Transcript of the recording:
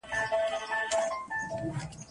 د زلمو لحد ته جوړ د پلار کُلنګ سي